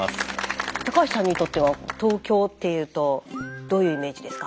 高橋さんにとっては東京っていうとどういうイメージですか？